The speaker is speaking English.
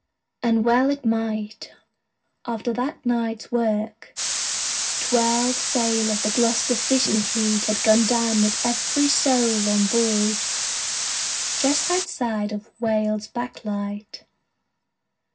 And well it might, after that night's work. Twelve sail of the Gloucester fishing fleet had gone down with every soul on board, just outside of Whale's back Light.